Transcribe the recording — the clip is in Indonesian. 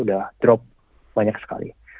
sudah drop banyak sekali